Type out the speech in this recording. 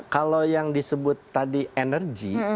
kalau yang disebut tadi energi